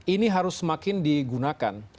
ini harus semakin digunakan